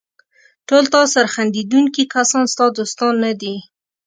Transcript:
ټول تاسره خندېدونکي کسان ستا دوستان نه دي.